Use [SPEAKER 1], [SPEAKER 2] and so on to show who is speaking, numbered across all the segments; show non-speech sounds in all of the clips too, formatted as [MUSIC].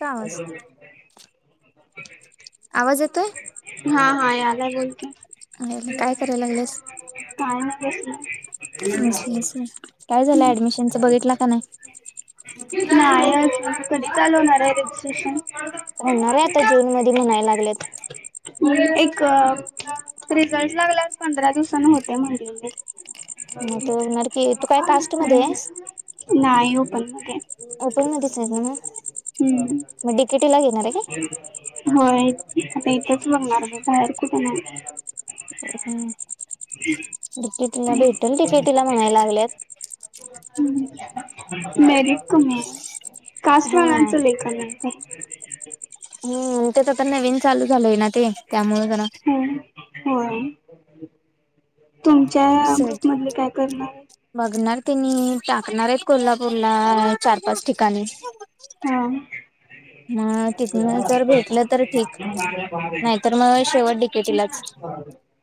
[SPEAKER 1] का आवाज आवाज येतोय
[SPEAKER 2] हा हा याद आहे बोलक
[SPEAKER 1] काय कराय लागलेस
[SPEAKER 2] कायस
[SPEAKER 1] बसलेस होय काय झालं ऍडमिशनच बघितला का नाही
[SPEAKER 2] नाही कधी चालवणार आहे रजिस्ट्रेशन
[SPEAKER 1] होणार आहे आता जून मध्ये म्हणायला लागल्यात
[SPEAKER 2] एक रिझल्ट लागला पंधरा दिवसाांना होते म्ह म
[SPEAKER 1] मग तर होणार की तू काय कास्ट मध्ये आहेस
[SPEAKER 2] नाही पण मध्ये
[SPEAKER 1] ओपन मध्येच आहेत ना म मग तिकेटीला घ येेणार आहे काय
[SPEAKER 2] हो आता इथंच बघणार म बाहेर कुठ आहे
[SPEAKER 1] तिकी तिला भेटेल तिकेटीला म्हणायला लागल्यात
[SPEAKER 2] हम् मरी कमी
[SPEAKER 1] हा
[SPEAKER 2] कास्वानांचं लेखन आहेत
[SPEAKER 1] ते तर तर नवीन चालू झालंय ना ते त्यामु जरा
[SPEAKER 2] हो तुमच्या
[SPEAKER 1] असं
[SPEAKER 2] ग्रुप मधले काय करणार आहे
[SPEAKER 1] बघणार तनी टाकणार आहेत कोल्हापूर ला चार पाच ठिकाणी
[SPEAKER 2] हा
[SPEAKER 1] मग तिथनं जर भेटलं तर ठीक नाहीतर मग शेवट डिकेटीलाच
[SPEAKER 2] [UNINTELLIGIBLE]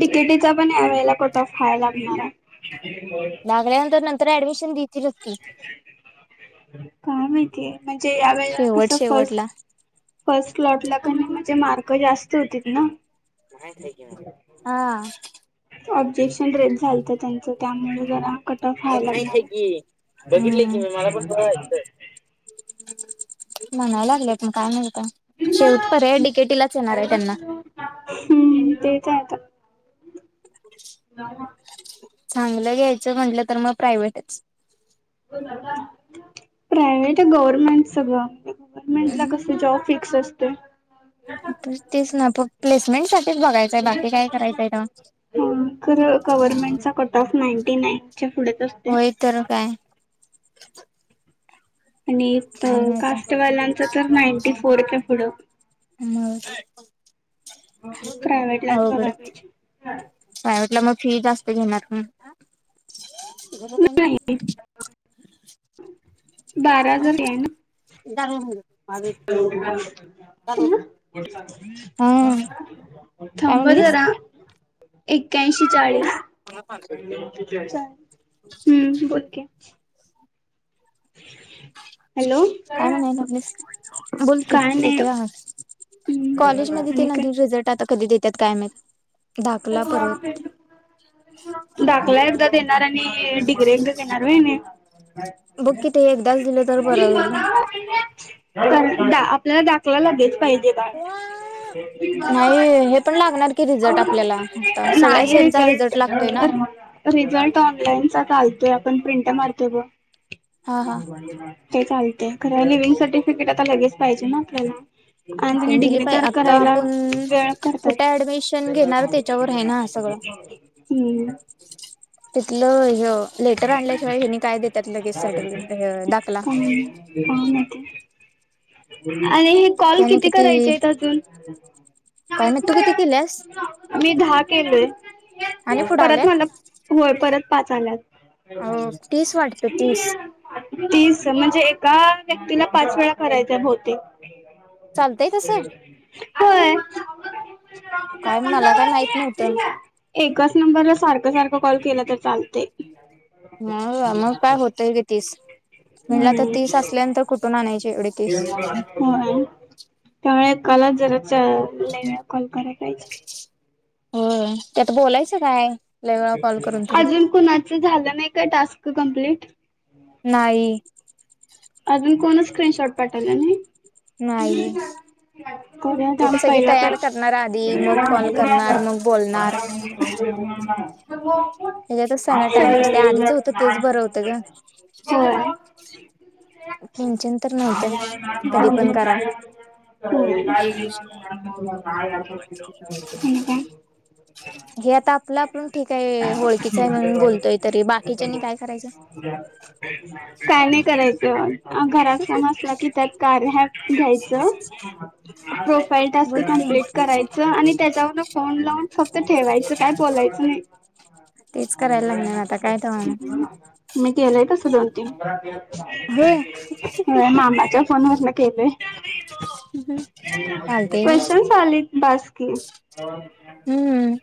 [SPEAKER 2] तिकिटीचा पण यावेळेला कट फ व्हा लागणार
[SPEAKER 1] लागल्यानंतर नंतर ऍडमिशन देतीलचती
[SPEAKER 2] काय माहितीय म्हणजे यावेेळेला
[SPEAKER 1] शेवट
[SPEAKER 2] कसं फस
[SPEAKER 1] शेवटला.
[SPEAKER 2] फर्स्ट क्लॉट ला क म्हणजे मार्क जास्त होती ना
[SPEAKER 1] हा
[SPEAKER 2] ऑब्जेक्शन रेट झालत त्यांचं त्यामुळे जरा कट ऑफ
[SPEAKER 1] अरे
[SPEAKER 2] व्हायला
[SPEAKER 1] माहित आहे
[SPEAKER 2] लागणार.
[SPEAKER 1] की बघितले की मी मला पण बोंचं म्हणाय लागलेत मण काय मिळत शेवट पर आहेय डीकेटी लाच येणार आहे त्यांना
[SPEAKER 2] हम्म तेेत येत
[SPEAKER 1] चांगलं घ्यायचं म्हटलं तर मग प्रायव्टच
[SPEAKER 2] प्रायव्हेट गव्हर्मेंट सगळं गव्हर्मेंट ला कस जॉब फिक्स असते
[SPEAKER 1] तेच ना प प्लेसमेंट साठीच बघायचंय बाकी काय करायचंय ना
[SPEAKER 2] गव्हर्नमेंटचा कट ऑफ नाईंटी नाईन च्या पुढे
[SPEAKER 1] होय तर काय
[SPEAKER 2] आणि
[SPEAKER 1] काय माहित
[SPEAKER 2] कास्टवालांच तर नाईंटी फोर प पुढं
[SPEAKER 1] मग
[SPEAKER 2] प्र्रायवहेट लाच बघायला पाहिजे हा
[SPEAKER 1] प्रायवटला मग फी जास्त घेणार
[SPEAKER 2] नाही बारा हजार आहे ना
[SPEAKER 1] दऊ
[SPEAKER 2] च ह
[SPEAKER 1] हम्म काय म्हणलीस
[SPEAKER 2] थांबाजार एक्याऐंशी चाळीस हम्म ओके ह
[SPEAKER 1] काय म्हणायगस बोल कि
[SPEAKER 2] काय नाही
[SPEAKER 1] यथे राहात
[SPEAKER 2] हम्म
[SPEAKER 1] कॉलेजमध्ये ते
[SPEAKER 2] आणि
[SPEAKER 1] नन
[SPEAKER 2] काय
[SPEAKER 1] रिझल्ट आता कधी देतात कायम
[SPEAKER 2] त दाखला एकदा दे येणार आणि डिग्री एक येणार आहे नाही
[SPEAKER 1] बघ कि ते एकदाच दिलं तर बरं
[SPEAKER 2] ब
[SPEAKER 1] होईल
[SPEAKER 2] म
[SPEAKER 1] ना
[SPEAKER 2] कार आपल्याला दाखवला लागेलच पाहिजे बाळ
[SPEAKER 1] नाही हे पण लागणार की रिझल्ट आपल्याला आता सगळ्या
[SPEAKER 2] नाही
[SPEAKER 1] सेमचा
[SPEAKER 2] रिझल्ट
[SPEAKER 1] लागतोय ना
[SPEAKER 2] रिझल्ट ऑनलाईन चा घालतोय आपण प्रिंट मारक व
[SPEAKER 1] हा हा
[SPEAKER 2] ते चालतेय खर लिविंग सर्टिफिकेट आता लगेच पाहिजे ना आपल्याला आणि त्या
[SPEAKER 1] त्यांनी दिली
[SPEAKER 2] डिग्री
[SPEAKER 1] पाहि
[SPEAKER 2] तर
[SPEAKER 1] आता
[SPEAKER 2] करायला
[SPEAKER 1] आपण
[SPEAKER 2] वेळ
[SPEAKER 1] कुठे ऍडमिशन
[SPEAKER 2] करतात
[SPEAKER 1] घेणार त्याच्यावर आहे ना सगळं
[SPEAKER 2] हम्म
[SPEAKER 1] तिथलं ह लेटर आणल्याशिवाय हिनी काय देतात लगेच सर्टिफिकेट दाखला
[SPEAKER 2] ह म ते आणि हे कॉल किती करायचे अजून
[SPEAKER 1] स
[SPEAKER 2] मी दहा केलेय
[SPEAKER 1] आणि पुढे
[SPEAKER 2] परत
[SPEAKER 1] आल्यात
[SPEAKER 2] मला होय परत पाच आल्यात हो
[SPEAKER 1] अ तीस वाटत तीस
[SPEAKER 2] तीस म्हणजे एका व्यक्तीला पाच वेळा करायचे भोते
[SPEAKER 1] चालतय तसं
[SPEAKER 2] होय
[SPEAKER 1] काय मला काय माहित नव्हतं
[SPEAKER 2] एकाच नंबरला सारखं सारखं कॉल केलं तर चालते
[SPEAKER 1] मग मग काय होतय ग तीस म्हटलं तर तीस असल्यानंतर कुठून आणायचे एवढे
[SPEAKER 2] के
[SPEAKER 1] तीस.
[SPEAKER 2] हो त्यावेळे कला जरा च लवे कॉल करायला पाहिजे [UNINTELLIGIBLE]
[SPEAKER 1] हो त्यात बोलायचं काय लय वेळा कॉल करून तरी.
[SPEAKER 2] अजून कुणाच झालं नाही. का टास्क कंप्लीट
[SPEAKER 1] नाही
[SPEAKER 2] अजून कोण स्क्रीनशॉट पाठवला नाही.
[SPEAKER 1] नाही
[SPEAKER 2] करूया
[SPEAKER 1] ते
[SPEAKER 2] थांब
[SPEAKER 1] तर स की
[SPEAKER 2] पहिला
[SPEAKER 1] तयार
[SPEAKER 2] पाहि
[SPEAKER 1] करणार आधी मग कॉल करणार मग बोलणार
[SPEAKER 2] ह ह
[SPEAKER 1] त्याच्यातच सगळा टाइमपास ते आधीच
[SPEAKER 2] [INAUDIBLE]
[SPEAKER 1] होतं तेच
[SPEAKER 2] अक्षर [INAUDIBLE]
[SPEAKER 1] टिंचन तर नव्हतं कधी पण करा
[SPEAKER 2] का का [INAUDIBLE]
[SPEAKER 1] जे आता आपलं आपण ठीक आहे होळखच आहे म्हणून बोलतोय तरी बाकीच्यानी काय करायचं.
[SPEAKER 2] काय नाही करायचंग [INAUDIBLE] घरात समजला की त्यात कार ह्या घ्यायचं प्रोफाईल टास्क
[SPEAKER 1] बघ की
[SPEAKER 2] कं्प्लीट करायचं आणि त्याच्यावरून फोन लावून फक्त ठेवायचं काय बोलायचं नाही
[SPEAKER 1] तेच करायला लागणार आता काय तव्हा मग
[SPEAKER 2] [UNINTELLIGIBLE] मती केले तरस दोन तीन
[SPEAKER 1] होय
[SPEAKER 2] मामाच्या. फोन न के
[SPEAKER 1] चालतंय की
[SPEAKER 2] क्वेशचन आले बासकी. हो.
[SPEAKER 1] हम्म.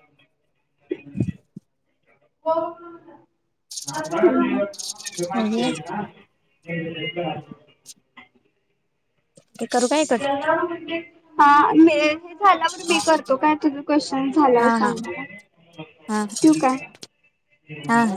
[SPEAKER 1] हम्.
[SPEAKER 2] [UNINTELLIGIBLE]
[SPEAKER 1] बघूया
[SPEAKER 2] ह [INAUDIBLE]
[SPEAKER 1] ते करू काय. कट
[SPEAKER 2] हा म [INAUDIBLE] झाल्यावर मी करतो काय त क्वेशचन झाल्यावर
[SPEAKER 1] हा हा
[SPEAKER 2] सांग.
[SPEAKER 1] हा
[SPEAKER 2] तू का.
[SPEAKER 1] हा हा